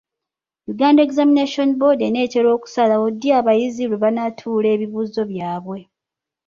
Uganda Examination Board enaatera okusalawo ddi abayizi lwe banaatuula ebibuuzo byabwe.